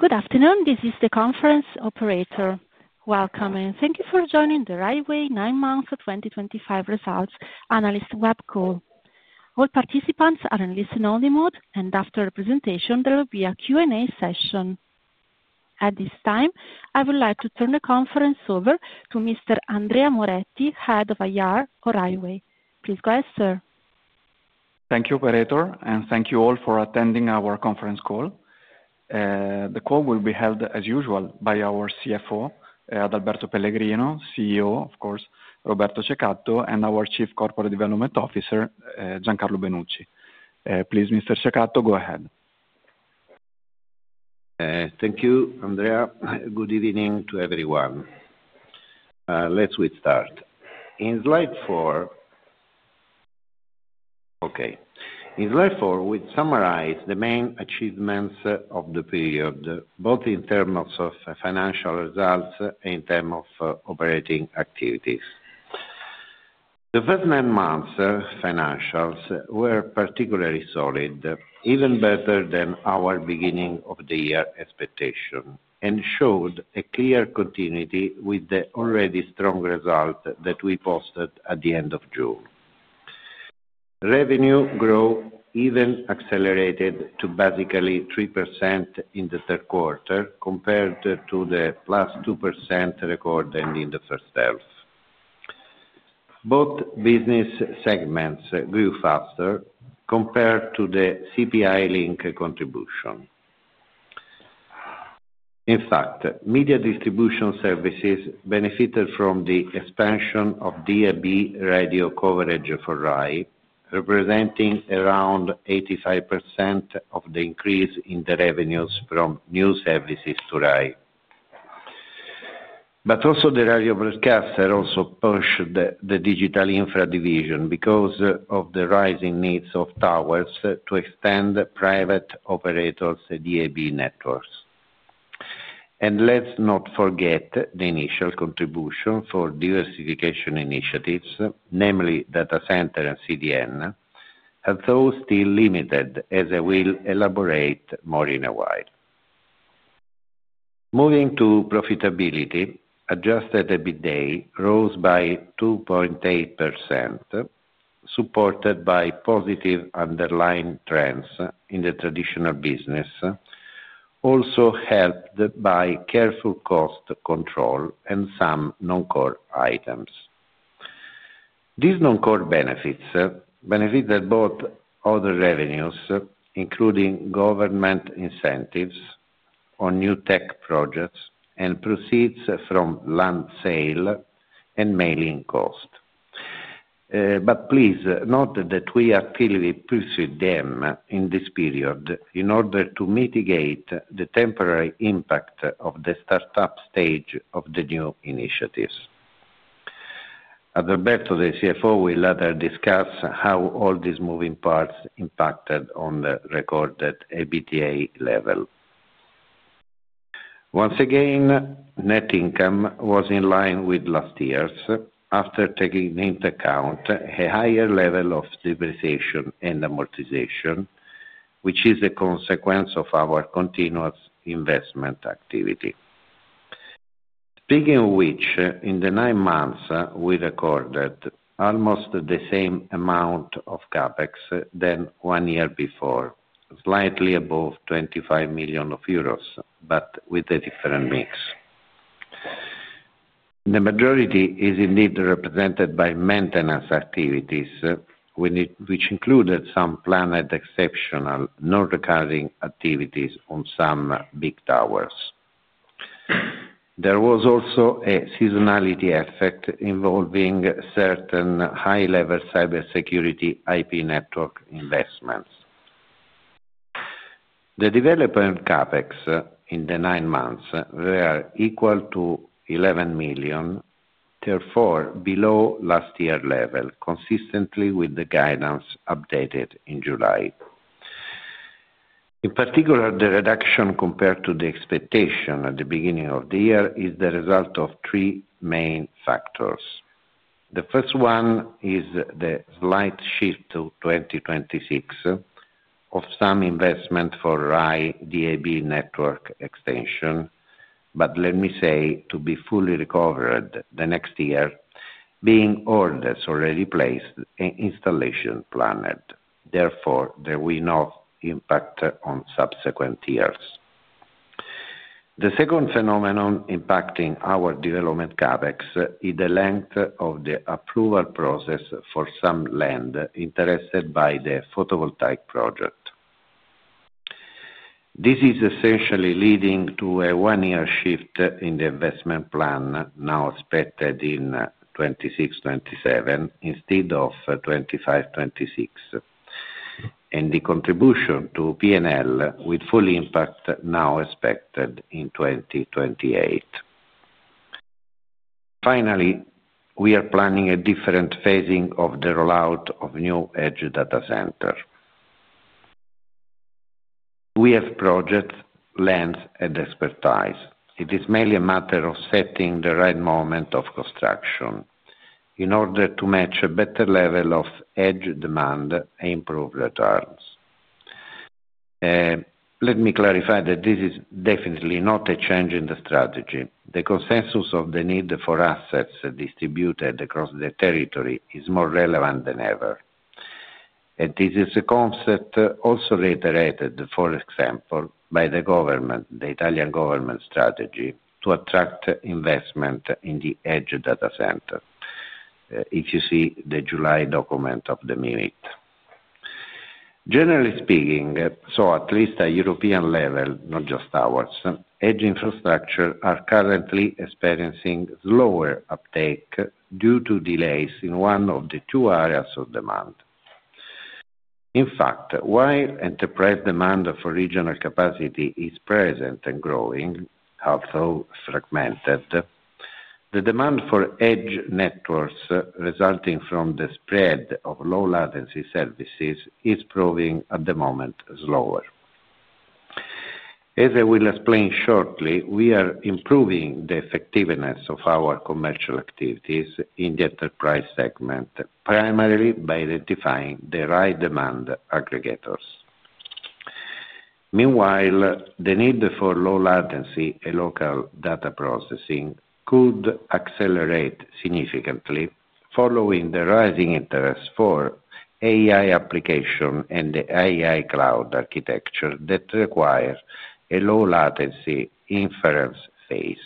Good afternoon, this is the conference operator. Welcome, and thank you for joining the Rai Way 9 Months 2025 Results Analyst Web Call. All participants are in listen-only mode, and after the presentation, there will be a Q&A session. At this time, I would like to turn the conference over to Mr. Andrea Moretti, Head of IR for Rai Way. Please go ahead, sir. Thank you, Operator, and thank you all for attending our conference call. The call will be held, as usual, by our CFO, Adalberto Pellegrino, CEO, of course, Roberto Cecatto, and our Chief Corporate Development Officer, Giancarlo Benucci. Please, Mr. Cecatto, go ahead. Thank you, Andrea. Good evening to everyone. Let's start. In slide four, okay. In slide four, we summarize the main achievements of the period, both in terms of financial results and in terms of operating activities. The first nine months' financials were particularly solid, even better than our beginning-of-the-year expectation, and showed a clear continuity with the already strong result that we posted at the end of June. Revenue growth even accelerated to basically 3% in the third quarter compared to the plus 2% recorded in the first half. Both business segments grew faster compared to the CPI-linked contribution. In fact, media distribution services benefited from the expansion of DAB Radio coverage for Rai, representing around 85% of the increase in the revenues from new services to Rai. But also, the radio broadcasters also pushed the digital infra division because of the rising needs of towers to extend private operators' DAB networks. And let's not forget the initial contribution for diversification initiatives, namely data center and CDN, although still limited, as I will elaborate more in a while. Moving to profitability, adjusted EBITDA rose by 2.8%, supported by positive underlying trends in the traditional business, also helped by careful cost control and some non-core items. These non-core benefits benefited both other revenues, including government incentives on new tech projects and proceeds from land sale and mailing cost. But please note that we actively pursued them in this period in order to mitigate the temporary impact of the start-up stage of the new initiatives. Adalberto, the CFO, will later discuss how all these moving parts impacted on the recorded EBITDA level. Once again, net income was in line with last year's after taking into account a higher level of depreciation and amortization, which is a consequence of our continuous investment activity. Speaking of which, in the nine months, we recorded almost the same amount of CapEx than one year before, slightly above 25 million of Euros, but with a different mix. The majority is indeed represented by maintenance activities, which included some planned exceptional non-recurring activities on some big towers. There was also a seasonality effect involving certain high-level cybersecurity IP network investments. The development CapEx in the nine months were equal to 11 million, therefore below last year's level, consistently with the guidance updated in July. In particular, the reduction compared to the expectation at the beginning of the year is the result of three main factors. The first one is the slight shift to 2026 of some investment for Rai DAB network extension, but let me say, to be fully recovered the next year, being all the already placed installations planned. Therefore, there will be no impact on subsequent years. The second phenomenon impacting our development CapEx is the length of the approval process for some land interested by the photovoltaic project. This is essentially leading to a one-year shift in the investment plan now expected in 26-27 instead of 25-26, and the contribution to P&L with full impact now expected in 2028. Finally, we are planning a different phasing of the rollout of new edge data centers. We have project length and expertise. It is mainly a matter of setting the right moment of construction in order to match a better level of edge demand and improve returns. Let me clarify that this is definitely not a change in the strategy. The consensus of the need for assets distributed across the territory is more relevant than ever. And this is a concept also reiterated, for example, by the government, the Italian government strategy, to attract investment in the edge data center. If you see the July document of the MIRIT. Generally speaking, so at least at European level, not just ours, edge infrastructures are currently experiencing slower uptake due to delays in one of the two areas of demand. In fact, while enterprise demand for regional capacity is present and growing, although fragmented, the demand for edge networks resulting from the spread of low-latency services is proving at the moment slower. As I will explain shortly, we are improving the effectiveness of our commercial activities in the enterprise segment, primarily by identifying the right demand aggregators. Meanwhile, the need for low-latency and local data processing could accelerate significantly following the rising interest for AI applications and the AI cloud architecture that require a low-latency inference phase.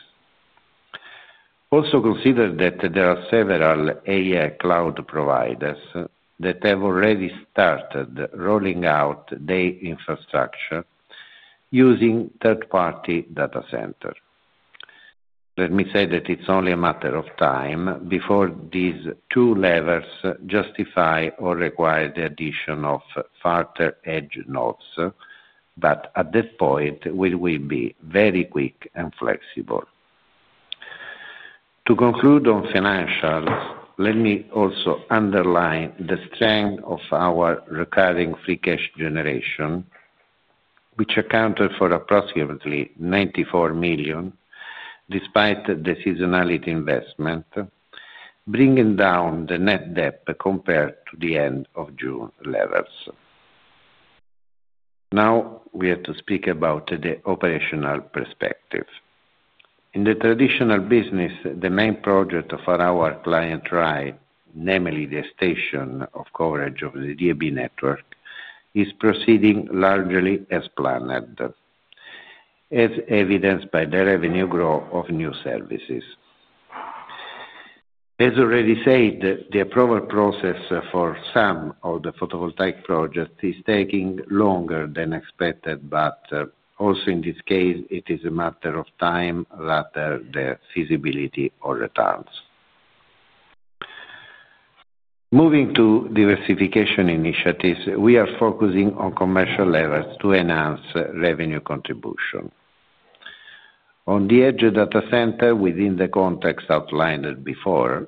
Also consider that there are several AI cloud providers that have already started rolling out their infrastructure using third-party data centers. Let me say that it's only a matter of time before these two levers justify or require the addition of further edge nodes, but at this point, we will be very quick and flexible. To conclude on financials, let me also underline the strength of our recurring free cash generation, which accounted for approximately 94 million despite the seasonality investment, bringing down the net debt compared to the end-of-June levels. Now, we have to speak about the operational perspective. In the traditional business, the main project for our client Rai, namely the extension of coverage of the DAB network, is proceeding largely as planned, as evidenced by the revenue growth of new services. As already said, the approval process for some of the photovoltaic projects is taking longer than expected, but also in this case, it is a matter of time rather than feasibility or returns. Moving to diversification initiatives, we are focusing on commercial levels to enhance revenue contribution. On the edge data center, within the context outlined before,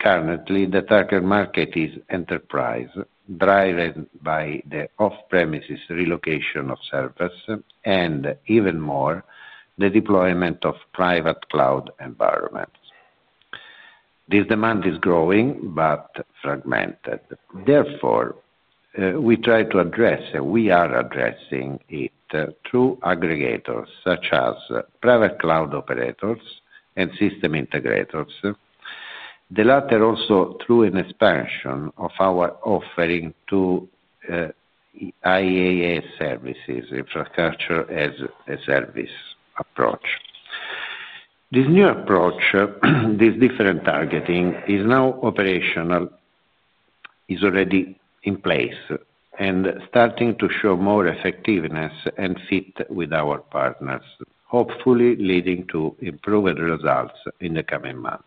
currently, the target market is enterprise, driven by the off-premises relocation of servers, and even more, the deployment of private cloud environments. This demand is growing but fragmented. Therefore, we try to address, and we are addressing it, through aggregators such as private cloud operators and system integrators, the latter also through an expansion of our offering to IAA services, infrastructure as a service approach. This new approach, this different targeting, is now operational, is already in place, and starting to show more effectiveness and fit with our partners, hopefully leading to improved results in the coming months.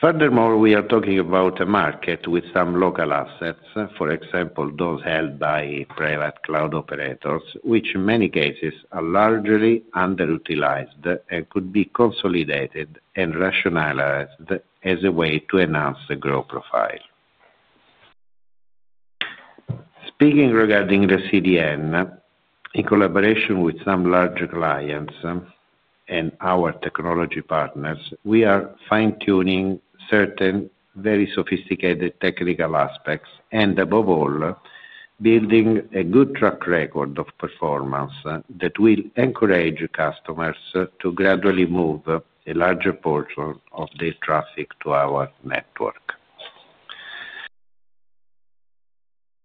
Furthermore, we are talking about a market with some local assets, for example, those held by private cloud operators, which in many cases are largely underutilized and could be consolidated and rationalized as a way to enhance the growth profile. Speaking regarding the CDN, in collaboration with some large clients and our technology partners, we are fine-tuning certain very sophisticated technical aspects and, above all, building a good track record of performance that will encourage customers to gradually move a larger portion of their traffic to our network.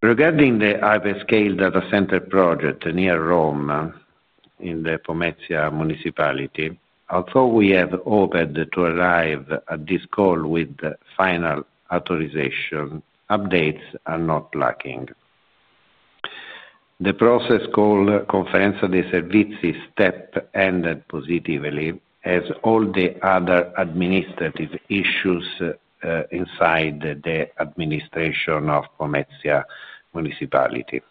Regarding the hyperscale data center project near Rome in the Pomezia municipality, although we have hoped to arrive at this call with final authorization, updates are not lacking. The process called Conferenza dei Servizi step ended positively, as all the other administrative issues inside the administration of Pomezia municipality.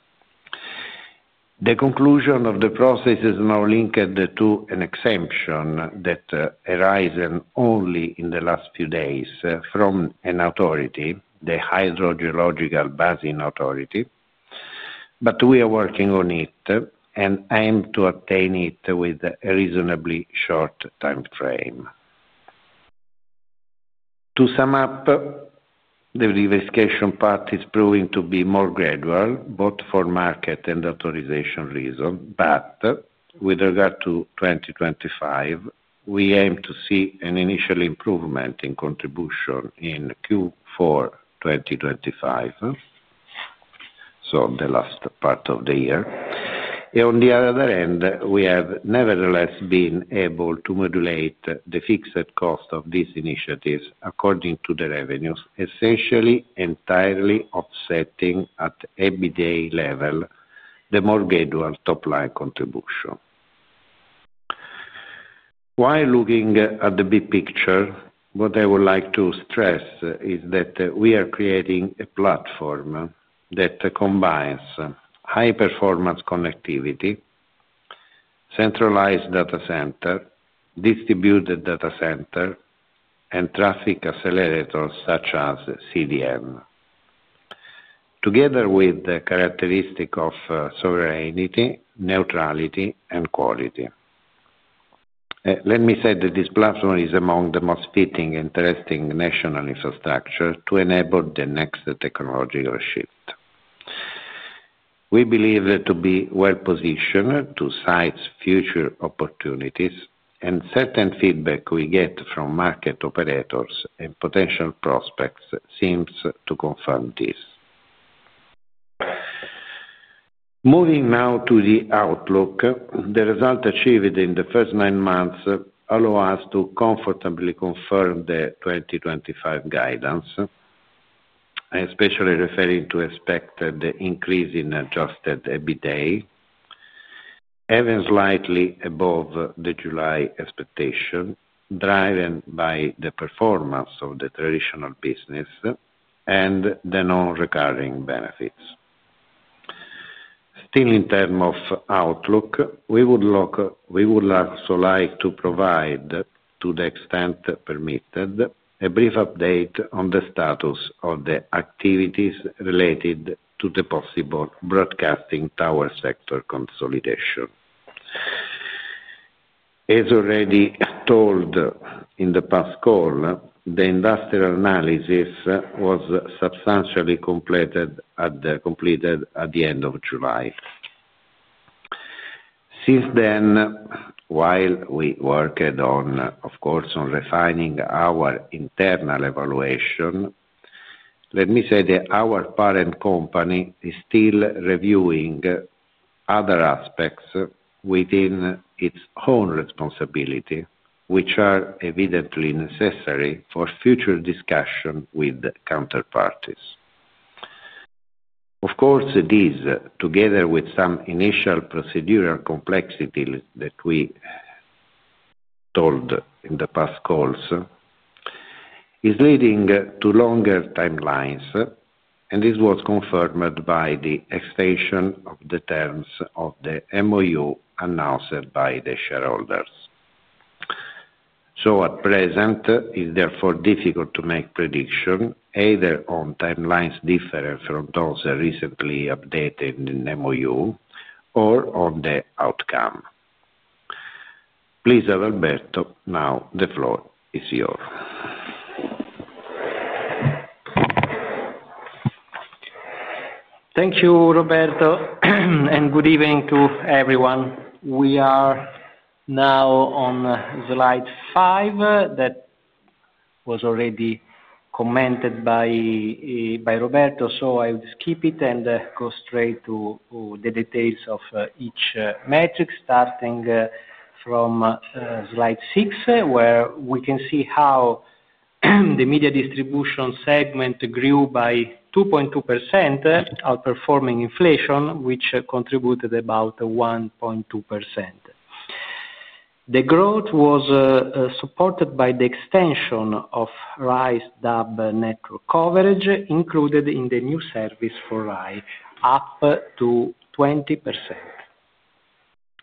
The conclusion of the process is now linked to an exemption that arose only in the last few days from an authority, the Hydrogeological Bathing Authority, but we are working on it and aim to attain it with a reasonably short time frame. To sum up, the diversification path is proving to be more gradual, both for market and authorization reasons, but with regard to 2025, we aim to see an initial improvement in contribution in Q4 2025, so the last part of the year. On the other end, we have nevertheless been able to modulate the fixed cost of these initiatives according to the revenues, essentially entirely offsetting at EBITDA level the more gradual top-line contribution. While looking at the big picture, what I would like to stress is that we are creating a platform that combines high-performance connectivity, centralized data center, distributed data center, and traffic accelerators such as CDN, together with the characteristics of sovereignty, neutrality, and quality. Let me say that this platform is among the most fitting and interesting national infrastructure to enable the next technological shift. We believe to be well-positioned to seize future opportunities, and certain feedback we get from market operators and potential prospects seems to confirm this. Moving now to the outlook, the result achieved in the first nine months allow us to comfortably confirm the 2025 guidance, especially referring to expected increase in adjusted EBITDA, even slightly above the July expectation, driven by the performance of the traditional business and the non-recurring benefits. Still, in terms of outlook, we would also like to provide, to the extent permitted, a brief update on the status of the activities related to the possible broadcasting tower sector consolidation. As already told in the past call, the industrial analysis was substantially completed at the end of July. Since then, while we worked on, of course, refining our internal evaluation, let me say that our parent company is still reviewing other aspects within its own responsibility, which are evidently necessary for future discussion with counterparties. Of course, this, together with some initial procedural complexities that we told in the past calls, is leading to longer timelines, and this was confirmed by the extension of the terms of the MOU announced by the shareholders. At present, it is therefore difficult to make prediction either on timelines different from those recently updated in the MOU or on the outcome. Please, Adalberto, now the floor is yours. Thank you, Roberto, and good evening to everyone. We are now on slide five that was already commented by Roberto, so I will skip it and go straight to the details of each metric, starting from slide six, where we can see how the media distribution segment grew by 2.2% outperforming inflation, which contributed about 1.2%. The growth was supported by the extension of Rai's DAB network coverage included in the new service for Rai, up to 20%.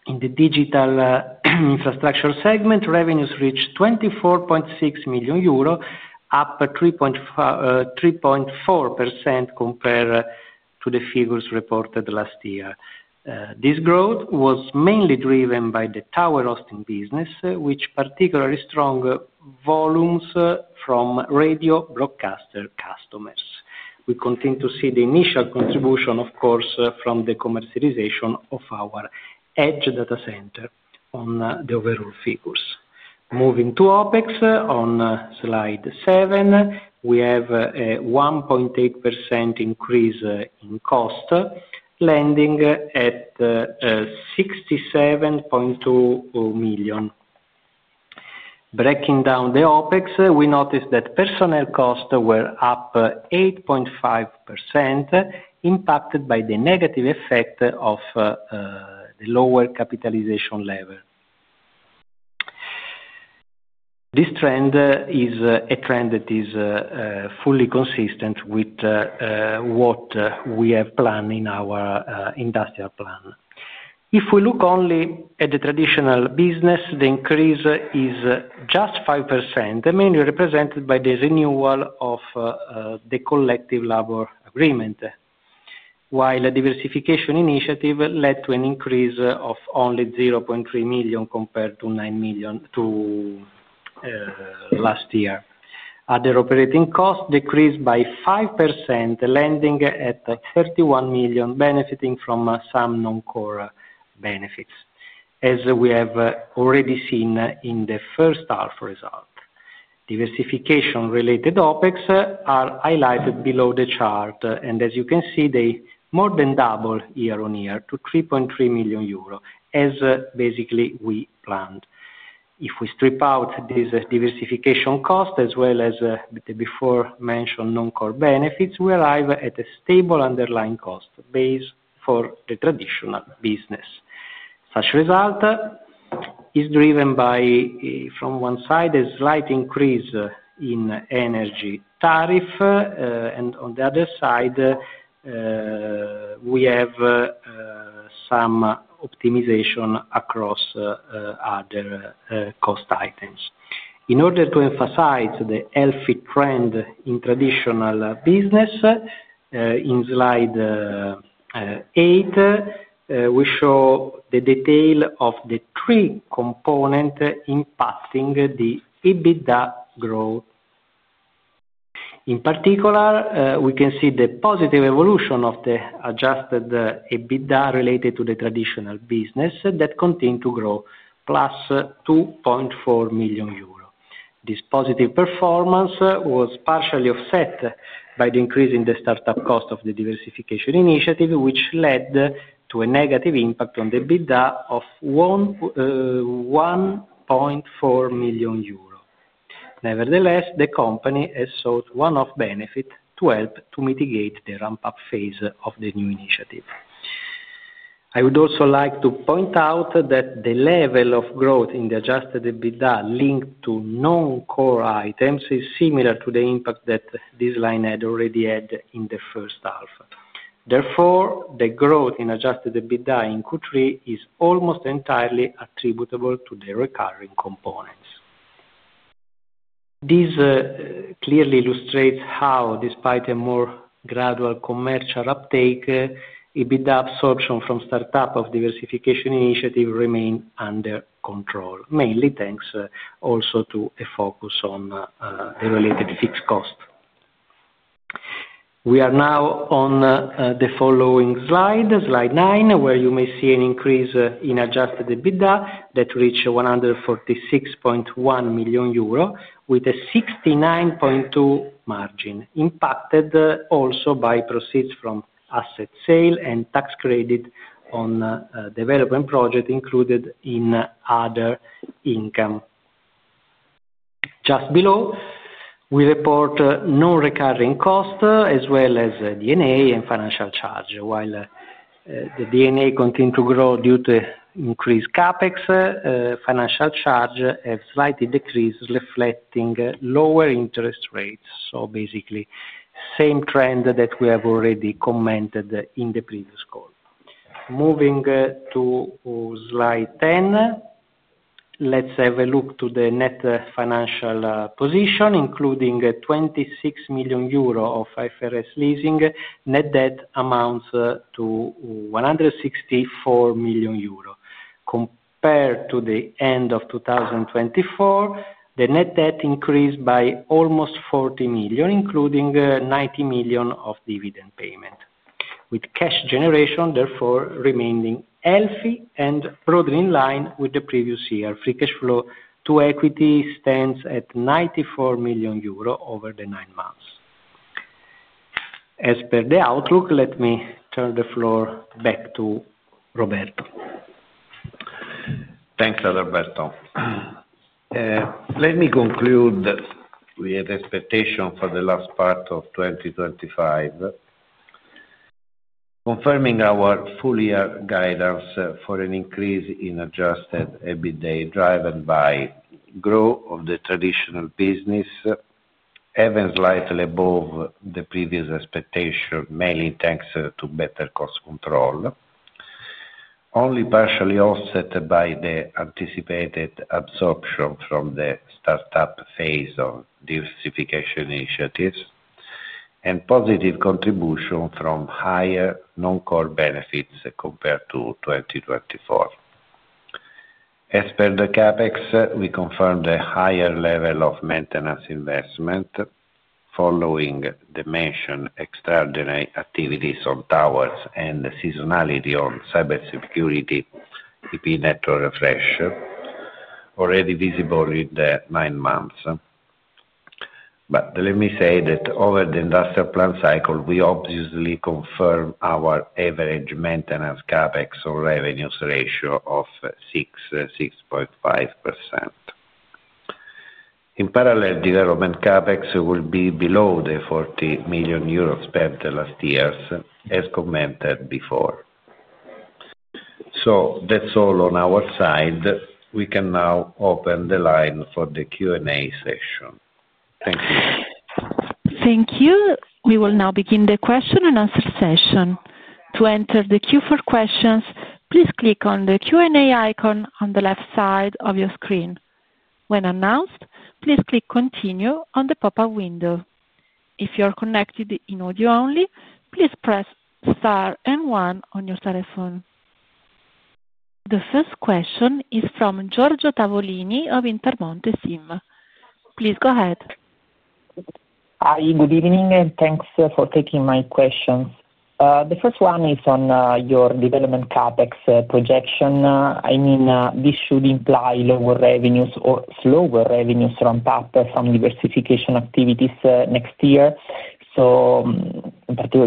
In the digital infrastructure segment, revenues reached 24.6 million euro, up 3.4% compared to the figures reported last year. This growth was mainly driven by the tower hosting business, which particularly strong volumes from radio broadcaster customers. We continue to see the initial contribution, of course, from the commercialization of our edge data center on the overall figures. Moving to OPEX, on slide seven, we have a 1.8% increase in cost, landing at 67.2 million. Breaking down the OPEX, we noticed that personnel costs were up 8.5%, impacted by the negative effect of the lower capitalization level. This trend is a trend that is fully consistent with what we have planned in our industrial plan. If we look only at the traditional business, the increase is just 5%, mainly represented by the renewal of the collective labor agreement, while the diversification initiative led to an increase of only 0.3 million compared to last year. Other operating costs decreased by 5%, landing at 31 million, benefiting from some non-core benefits, as we have already seen in the first half result. Diversification-related OPEX are highlighted below the chart, and as you can see, they more than double year on year to 3.3 million euro, as basically we planned. If we strip out these diversification costs as well as the before-mentioned non-core benefits, we arrive at a stable underlying cost base for the traditional business. Such result is driven by, from one side, a slight increase in energy tariff, and on the other side, we have some optimization across other cost items. In order to emphasize the healthy trend in traditional business, in slide 8, we show the detail of the three components impacting the EBITDA growth. In particular, we can see the positive evolution of the adjusted EBITDA related to the traditional business that continued to grow, plus 2.4 million euro. This positive performance was partially offset by the increase in the startup cost of the diversification initiative, which led to a negative impact on the EBITDA of 1.4 million euro. Nevertheless, the company has sought one-off benefit to help to mitigate the ramp-up phase of the new initiative. I would also like to point out that the level of growth in the adjusted EBITDA linked to non-core items is similar to the impact that this line had already had in the first half. Therefore, the growth in adjusted EBITDA in Q3 is almost entirely attributable to the recurring components. This clearly illustrates how, despite a more gradual commercial uptake, EBITDA absorption from startup of diversification initiative remained under control, mainly thanks also to a focus on the related fixed cost. We are now on the following slide, slide 9, where you may see an increase in adjusted EBITDA that reached 146.1 million euro with a 69.2 margin, impacted also by proceeds from asset sale and tax-credited on development projects included in other income. Just below, we report no recurring costs as well as DNA and financial charge. While the DNA continued to grow due to increased CapEx, financial charge has slightly decreased, reflecting lower interest rates. So, basically, same trend that we have already commented in the previous call. Moving to slide 10, let's have a look to the net financial position, including 26 million euro of IFRS leasing net debt amounts to 164 million euro. Compared to the end of 2024, the net debt increased by almost 40 million, including 90 million of dividend payment, with cash generation, therefore, remaining healthy and broadly in line with the previous year. Free cash flow to equity stands at 94 million euro over the nine months. As per the outlook, let me turn the floor back to Roberto. Thanks, Adalberto. Let me conclude with the expectation for the last part of 2025, confirming our full-year guidance for an increase in adjusted EBITDA driven by growth of the traditional business, even slightly above the previous expectation, mainly thanks to better cost control, only partially offset by the anticipated absorption from the startup phase of diversification initiatives, and positive contribution from higher non-core benefits compared to 2024. As per the CapEx, we confirmed a higher level of maintenance investment following the mentioned extraordinary activities on towers and seasonality on cybersecurity EP network refresh, already visible in the nine months. But let me say that over the industrial plan cycle, we obviously confirmed our average maintenance CapEx on revenues ratio of 6.5%. In parallel, development CapEx will be below the 40 million euros spent last year, as commented before. So, that's all on our side. We can now open the line for the Q&A session. Thank you. Thank you. We will now begin the question and answer session. To enter the Q4 questions, please click on the Q&A icon on the left side of your screen. When announced, please click Continue on the pop-up window. If you are connected in audio only, please press Star and 1 on your telephone. The first question is from Giorgio Tavolini of Intermonte SIM. Please go ahead. Hi, good evening, and thanks for taking my questions. The first one is on your development CapEx projection. I mean, this should imply lower revenues or slower revenues ramp-up from diversification activities next year, so particularly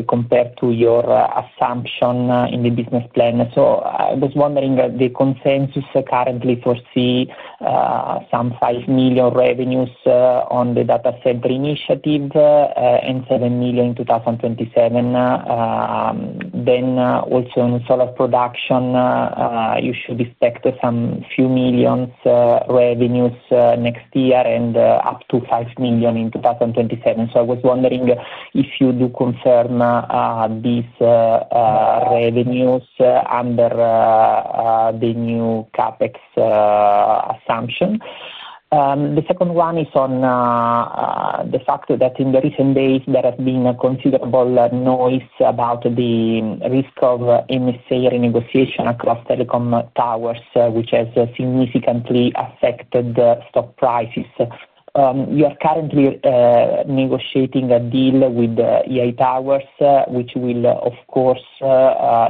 compared to your assumption in the business plan. So, I was wondering the consensus currently foresee some 5 million revenues on the data center initiative and 7 million in 2027. Then, also in solar production, you should expect some few million revenues next year and up to 5 million in 2027. So, I was wondering if you do confirm these revenues under the new CapEx assumption. The second one is on the fact that in the recent days, there has been considerable noise about the risk of MSA renegotiation across telecom towers, which has significantly affected stock prices. You are currently negotiating a deal with EI Towers, which will, of course,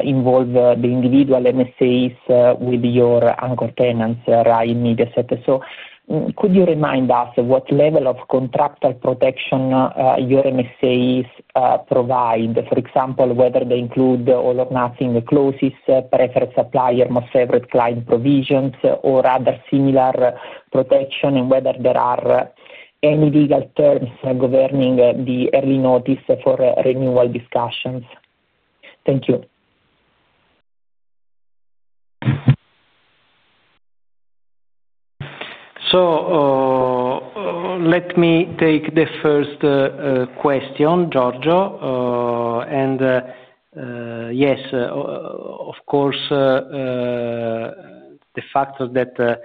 involve the individual MSAs with your anchor tenants, Rai and Mediaset. So, could you remind us what level of contractual protection your MSAs provide? For example, whether they include all-or-nothing, closest, preferred supplier, most favorite client provisions, or other similar protection, and whether there are any legal terms governing the early notice for renewal discussions. Thank you. So, let me take the first question, Giorgio. And yes, of course, the fact that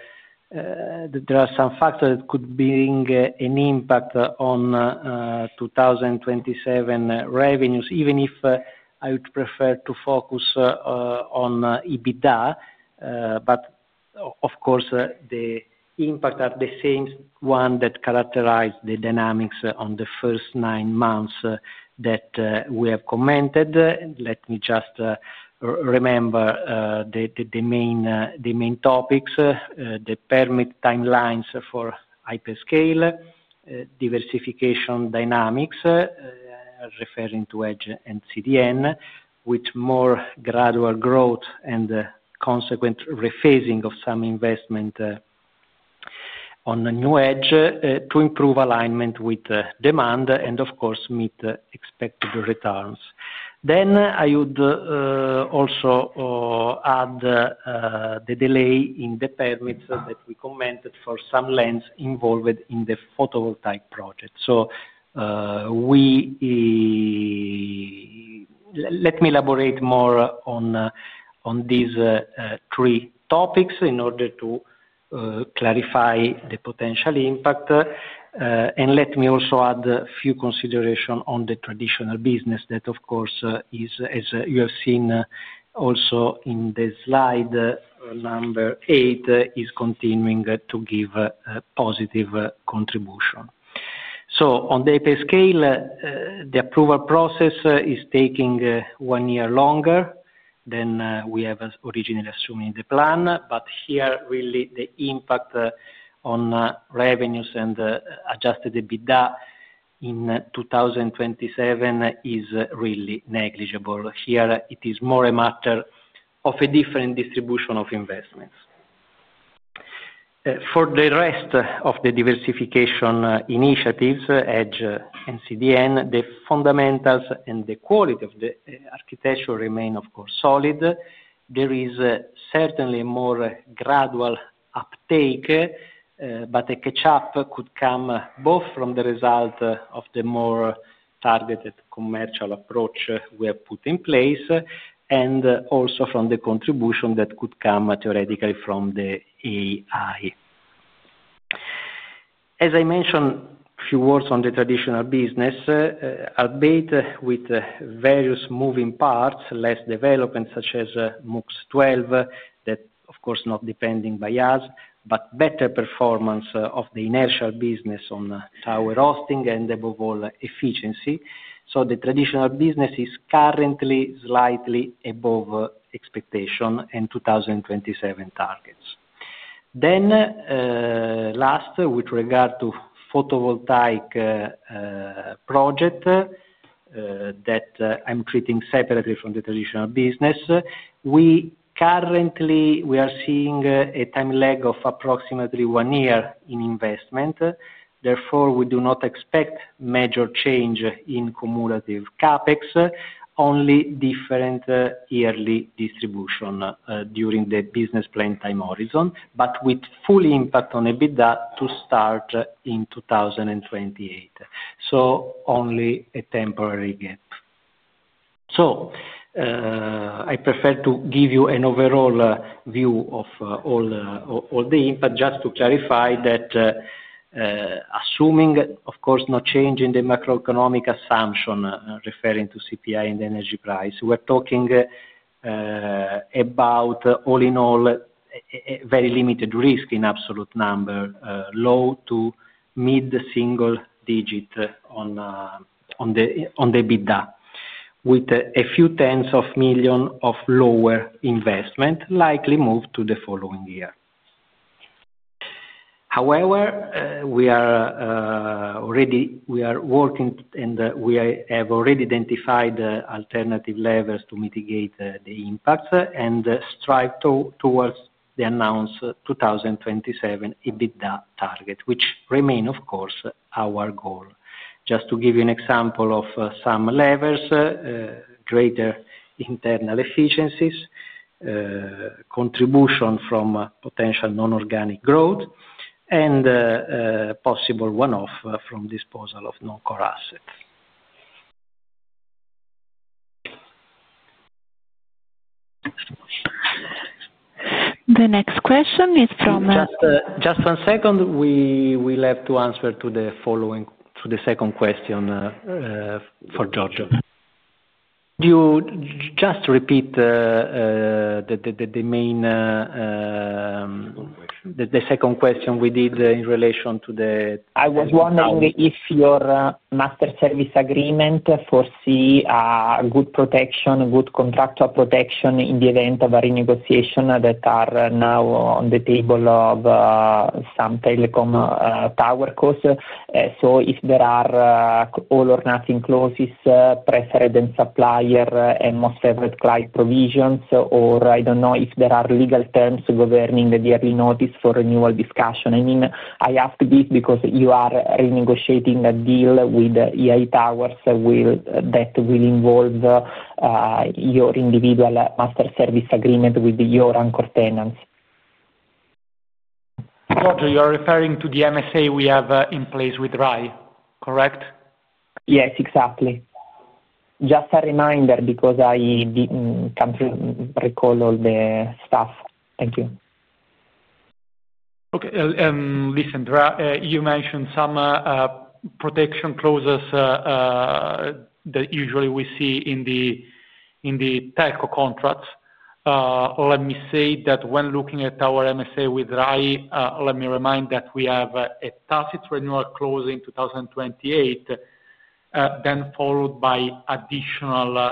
there are some factors that could bring an impact on 2027 revenues, even if I would prefer to focus on EBITDA. But, of course, the impact are the same ones that characterize the dynamics on the first nine months that we have commented. Let me just remember the main topics: the permit timelines for IPA scale, diversification dynamics, referring to edge and CDN, with more gradual growth and consequent rephasing of some investment on the new edge to improve alignment with demand and, of course, meet expected returns. Then, I would also add the delay in the permits that we commented for some lands involved in the photovoltaic project. So, let me elaborate more on these three topics in order to clarify the potential impact. And let me also add a few considerations on the traditional business that, of course, as you have seen also in the slide number 8, is continuing to give a positive contribution. So, on the IPA scale, the approval process is taking one year longer than we have originally assumed in the plan, but here, really, the impact on revenues and adjusted EBITDA in 2027 is really negligible. Here, it is more a matter of a different distribution of investments. For the rest of the diversification initiatives, edge and CDN, the fundamentals and the quality of the architecture remain, of course, solid. There is certainly more gradual uptake, but a catch-up could come both from the result of the more targeted commercial approach we have put in place and also from the contribution that could come theoretically from the AI. As I mentioned, a few words on the traditional business, albeit with various moving parts, less development such as MOOX 12 that, of course, is not depending by us, but better performance of the inertial business on tower hosting and, above all, efficiency. So, the traditional business is currently slightly above expectation and 2027 targets. Then, last, with regard to photovoltaic project that I'm treating separately from the traditional business, we currently are seeing a time lag of approximately one year in investment. Therefore, we do not expect major change in cumulative CapEx, only different yearly distribution during the business plan time horizon, but with full impact on EBITDA to start in 2028. So, only a temporary gap. So, I prefer to give you an overall view of all the impact, just to clarify that, assuming, of course, no change in the macroeconomic assumption referring to CPI and energy price, we're talking about, all in all, very limited risk in absolute number, low to mid-single digit on the EBITDA, with a few tens of million of lower investment likely moved to the following year. However, we are working and we have already identified alternative levers to mitigate the impacts and strive towards the announced 2027 EBITDA target, which remain, of course, our goal. Just to give you an example of some levers: greater internal efficiencies, contribution from potential non-organic growth, and possible one-off from disposal of non-core assets. The next question is from. Just one second. We'll have to answer to the second question for Giorgio. Could you just repeat the main second question we did in relation to the. I was wondering if your master service agreement foresee good protection, good contractual protection in the event of a renegotiation that are now on the table of some telecom tower costs. So, if there are all-or-nothing closes, preferred end supplier and most favorite client provisions, or I don't know if there are legal terms governing the early notice for renewal discussion. I mean, I ask this because you are renegotiating a deal with EI Towers that will involve your individual master service agreement with your anchor tenants. Giorgio, you are referring to the MSA we have in place with Rai, correct? Yes, exactly. Just a reminder because I can't recall all the stuff. Thank you. Okay. And listen, you mentioned some protection clauses that usually we see in the telco contracts. Let me say that when looking at our MSA with Rai, let me remind that we have a tacit renewal clause in 2028, then followed by additional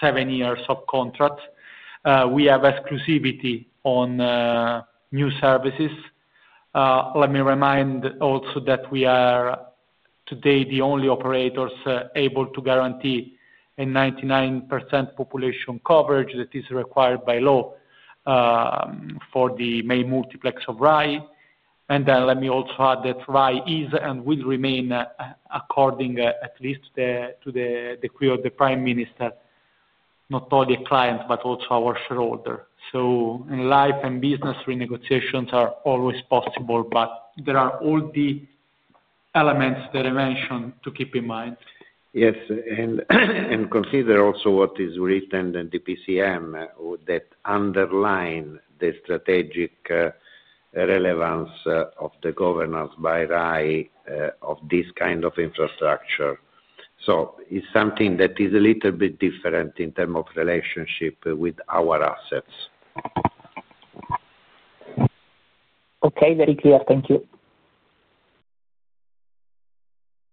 seven years of contracts. We have exclusivity on new services. Let me remind also that we are today the only operators able to guarantee a 99% population coverage that is required by law for the main multiplex of Rai. And then let me also add that Rai is and will remain, according at least to the decree of the Prime Minister, not only a client but also our shareholder. So, in life and business, renegotiations are always possible, but there are all the elements that I mentioned to keep in mind. Yes. And consider also what is written in the PCM that underline the strategic relevance of the governance by Rai of this kind of infrastructure. So, it's something that is a little bit different in terms of relationship with our assets. Okay. Very clear. Thank you.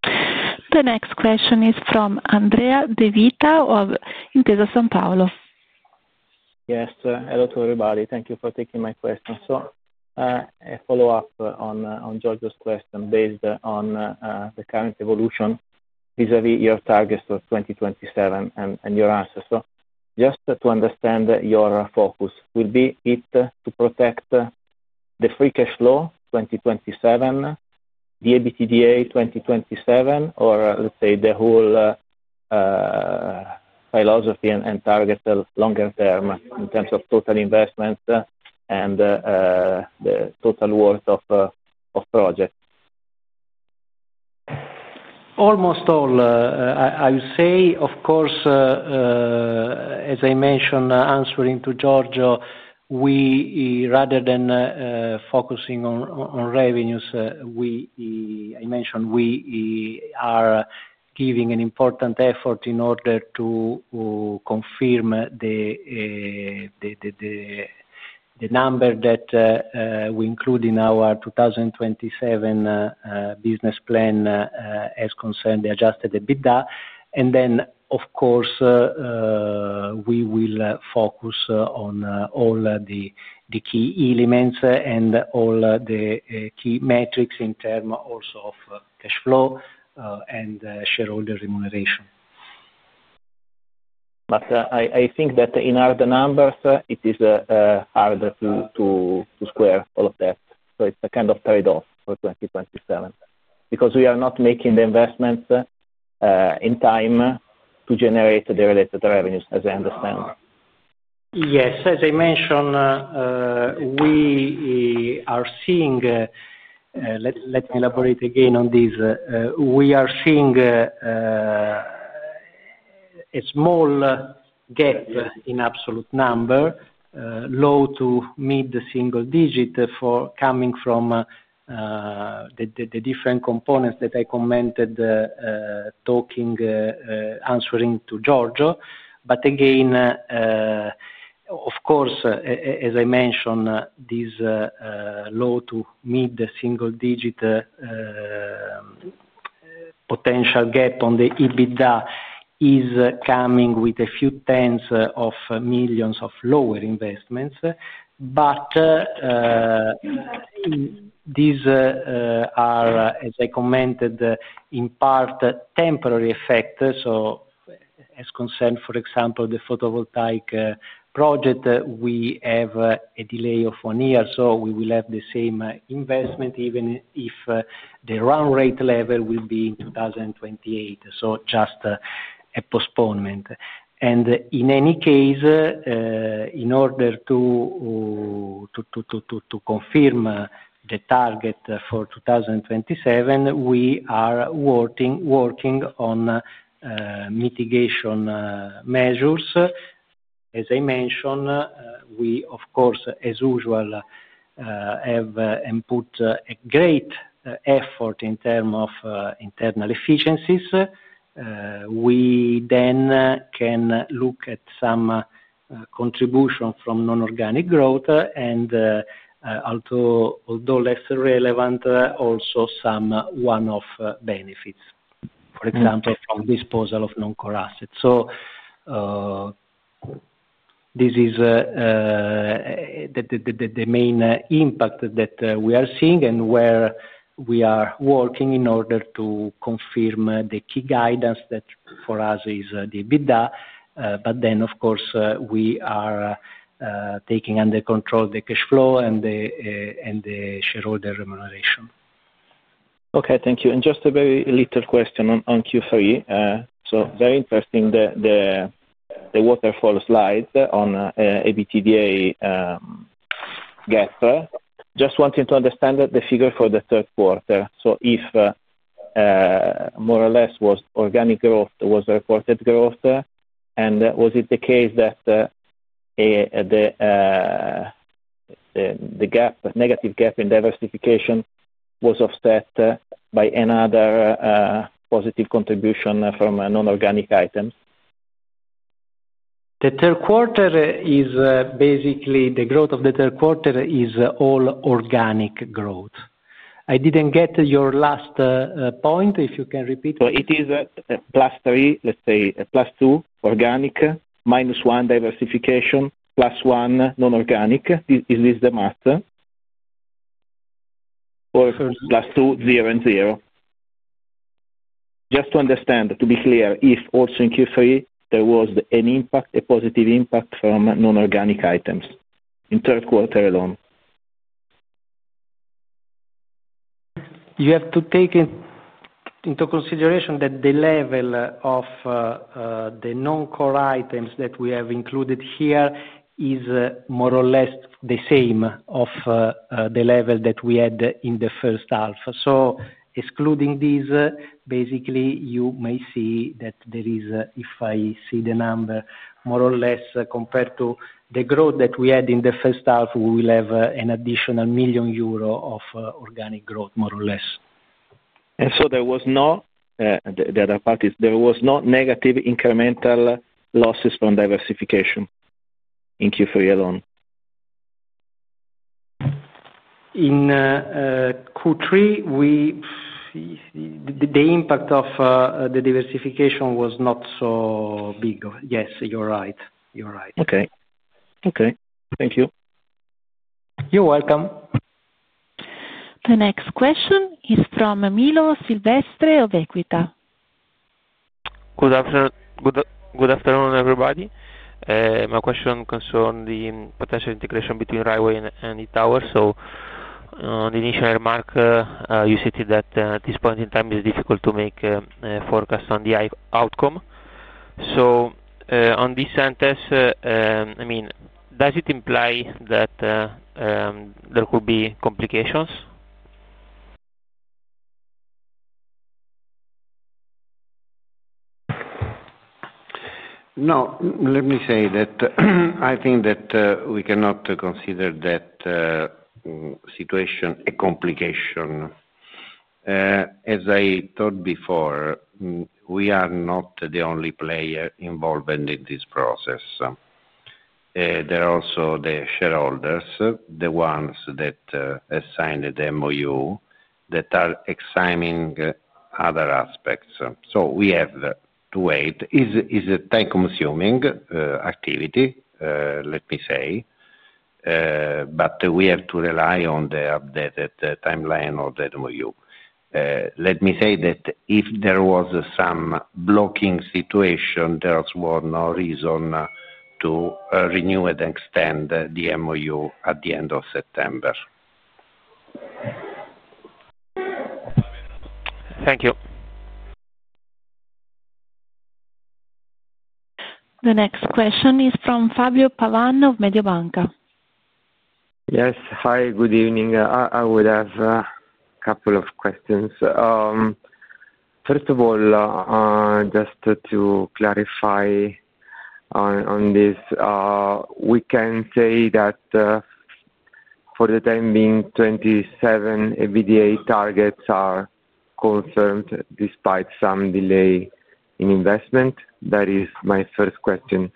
The next question is from Andrea de Vita of Intesa Sanpaolo. Yes. Hello to everybody. Thank you for taking my question. So, a follow-up on Giorgio's question based on the current evolution vis-à-vis your targets for 2027 and your answer. So, just to understand your focus, will be it to protect the free cash flow 2027, the EBITDA 2027, or let's say the whole philosophy and target longer term in terms of total investment and the total worth of project? Almost all. I would say, of course, as I mentioned answering to Giorgio, rather than focusing on revenues, I mentioned we are giving an important effort in order to confirm the number that we include in our 2027 business plan as concerning the adjusted EBITDA. And then, of course, we will focus on all the key elements and all the key metrics in terms also of cash flow and shareholder remuneration. But I think that in other numbers, it is harder to square all of that. So, it's a kind of trade-off for 2027 because we are not making the investments in time to generate the related revenues, as I understand. Yes. As I mentioned, we are seeing—let me elaborate again on this—we are seeing a small gap in absolute number, low to mid-single digit for coming from the different components that I commented talking, answering to Giorgio. But again, of course, as I mentioned, this low to mid-single digit potential gap on the EBITDA is coming with a few tens of millions of lower investments. But these are, as I commented, in part, temporary effects. So, as concerned, for example, the photovoltaic project, we have a delay of one year. So, we will have the same investment even if the run rate level will be in 2028. So, just a postponement. And in any case, in order to confirm the target for 2027, we are working on mitigation measures. As I mentioned, we, of course, as usual, have and put a great effort in terms of internal efficiencies. We then can look at some contribution from non-organic growth and, although less relevant, also some one-off benefits, for example, from disposal of non-core assets. So, this is the main impact that we are seeing and where we are working in order to confirm the key guidance that for us is the EBITDA. But then, of course, we are taking under control the cash flow and the shareholder remuneration. Okay. Thank you. And just a very little question on Q3. So, very interesting, the waterfall slide on EBITDA gap. Just wanting to understand the figure for the third quarter. So, if more or less organic growth was reported growth, and was it the case that the negative gap in diversification was offset by another positive contribution from non-organic items? The third quarter is basically the growth of the third quarter is all organic growth. I didn't get your last point. If you can repeat. So, it is plus three, let's say plus two organic, minus one diversification, plus one non-organic. Is this the math? Or plus two, zero and zero? Just to understand, to be clear, if also in Q3 there was an impact, a positive impact from non-organic items in third quarter alone. You have to take into consideration that the level of the non-core items that we have included here is more or less the same of the level that we had in the first half. So, excluding this, basically, you may see that there is, if I see the number, more or less compared to the growth that we had in the first half, we will have an additional million euro of organic growth, more or less. And so, there was no—the other part is there was no negative incremental losses from diversification in Q3 alone? In Q3, the impact of the diversification was not so big. Yes, you're right. You're right. Okay. Okay. Thank you. You're welcome. The next question is from Milo Silvestre of Equita. Good afternoon, everybody. My question concerns the potential integration between Rai Way and EI Tower. So, the initial remark, you stated that at this point in time, it is difficult to make a forecast on the outcome. So, on this sentence, I mean, does it imply that there could be complications? No. Let me say that I think that we cannot consider that situation a complication. As I told before, we are not the only player involved in this process. There are also the shareholders, the ones that assigned the MOU that are examining other aspects. So, we have to wait. It is a time-consuming activity, let me say, but we have to rely on the updated timeline of the MOU. Let me say that if there was some blocking situation, there was no reason to renew and extend the MOU at the end of September. Thank you. The next question is from Fabio Pavan of Mediobanca. Yes. Hi, good evening. I would have a couple of questions. First of all, just to clarify on this, we can say that for the time being, 2027 EBITDA targets are confirmed despite some delay in investment. That is my first question.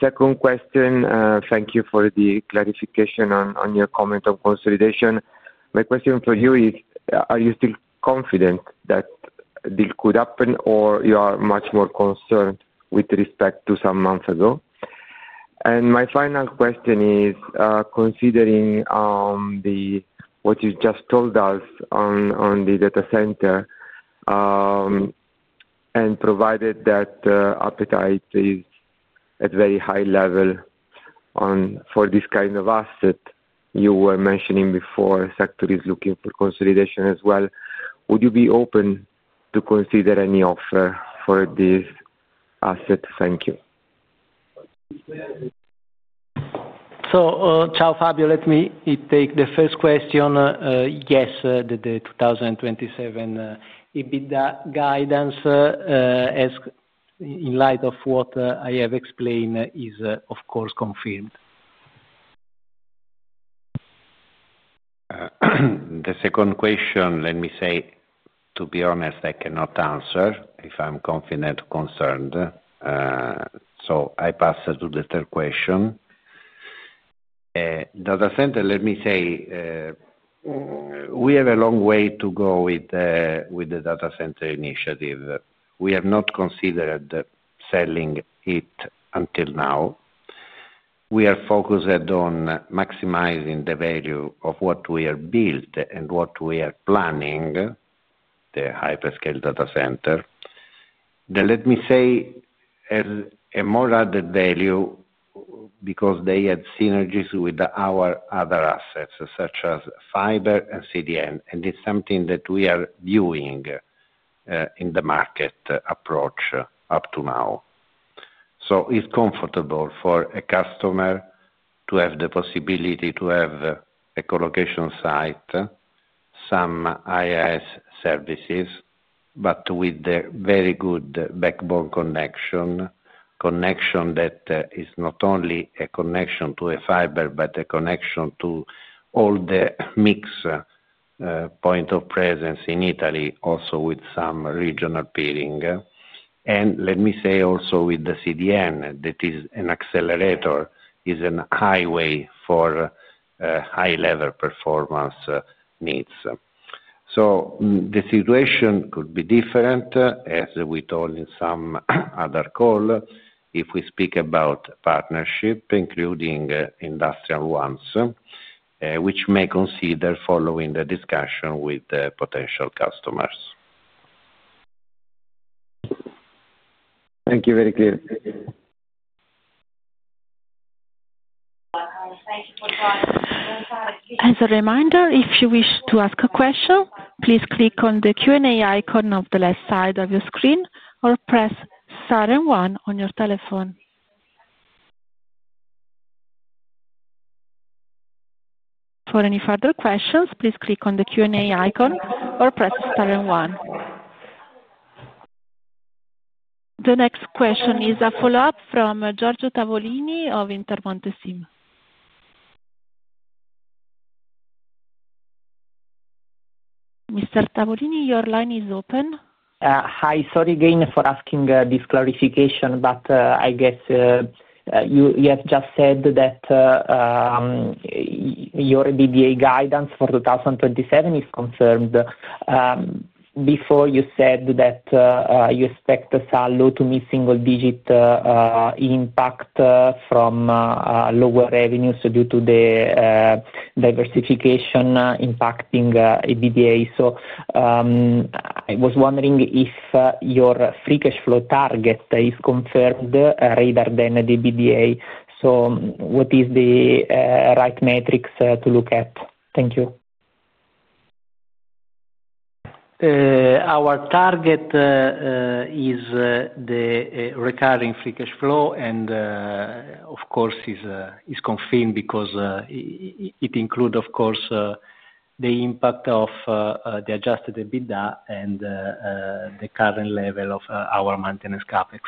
Second question, thank you for the clarification on your comment on consolidation. My question for you is, are you still confident that this could happen or you are much more concerned with respect to some months ago? My final question is, considering what you just told us on the data center and provided that appetite is at very high level for this kind of asset you were mentioning before, sector is looking for consolidation as well, would you be open to consider any offer for this asset? Thank you. So, Ciao Fabio, let me take the first question. Yes, the 2027 EBITDA guidance, in light of what I have explained, is, of course, confirmed. The second question, let me say, to be honest, I cannot answer if I'm confident or concerned. I pass to the third question. Data center, let me say, we have a long way to go with the data center initiative. We have not considered selling it until now. We are focused on maximizing the value of what we have built and what we are planning, the hyperscale data center. Let me say, a more added value because they had synergies with our other assets, such as fiber and CDN, and it's something that we are viewing in the market approach up to now. So, it's comfortable for a customer to have the possibility to have a colocation site, some IaaS services, but with a very good backbone connection, connection that is not only a connection to a fiber but a connection to all the mixed point of presence in Italy, also with some regional peering. And let me say also with the CDN that is an accelerator, is an highway for high-level performance needs. So, the situation could be different, as we told in some other call, if we speak about partnership, including industrial ones, which may consider following the discussion with potential customers. Thank you. Very clear. As a reminder, if you wish to ask a question, please click on the Q&A icon on the left side of your screen or press Star and 1 on your telephone. For any further questions, please click on the Q&A icon or press Star and 1. The next question is a follow-up from Giorgio Tavolini of Intermonte Sim. Mr. Tavolini, your line is open. Hi. Sorry again for asking this clarification, but I guess you have just said that your EBITDA guidance for 2027 is confirmed. Before, you said that you expect a low to mid-single digit impact from lower revenues due to the diversification impacting EBITDA. So, I was wondering if your free cash flow target is confirmed rather than the EBITDA. So, what is the right metrics to look at? Thank you. Our target is the recurring free cash flow and, of course, is confirmed because it includes, of course, the impact of the adjusted EBITDA and the current level of our maintenance CapEx.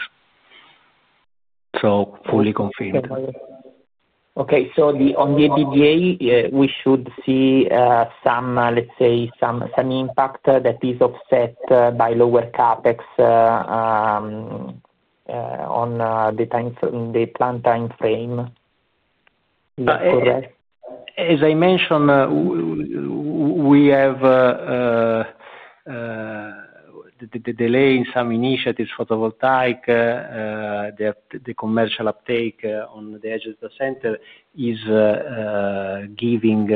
So, fully confirmed. Okay. So, on the EBITDA, we should see some, let's say, some impact that is offset by lower CapEx on the planned time frame. Is that correct? As I mentioned, we have the delay in some initiatives, photovoltaic, the commercial uptake on the edge of the center is giving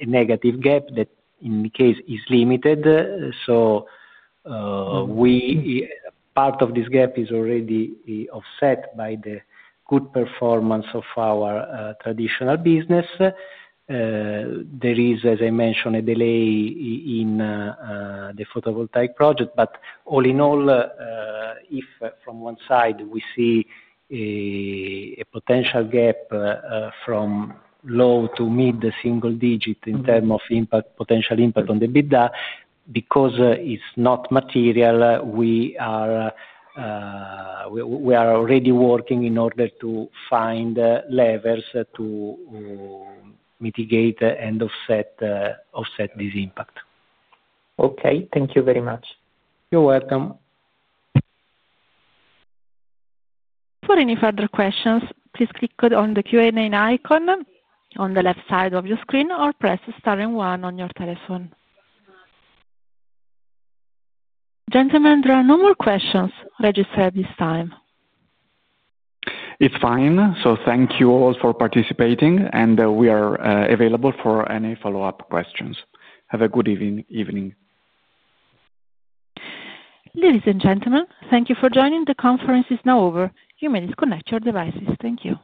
a negative gap that, in this case, is limited. So, part of this gap is already offset by the good performance of our traditional business. There is, as I mentioned, a delay in the photovoltaic project. But all in all, if from one side we see a potential gap from low to mid-single digit in terms of potential impact on the EBITDA, because it's not material, we are already working in order to find levers to mitigate and offset this impact. Okay. Thank you very much. You're welcome. For any further questions, please click on the Q&A icon on the left side of your screen or press Star and 1 on your telephone. Gentlemen, there are no more questions registered this time. It's fine. So, thank you all for participating, and we are available for any follow-up questions. Have a good evening. Ladies and gentlemen, thank you for joining. The conference is now over. You may disconnect your devices. Thank you.